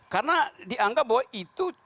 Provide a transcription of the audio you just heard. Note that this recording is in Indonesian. karena dianggap bahwa itu